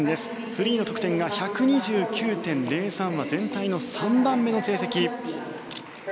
フリーの得点が１２９．０３は全体の３番目の成績。